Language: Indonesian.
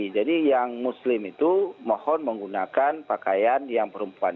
jadi yang muslim itu mohon menggunakan pakaian yang perempuan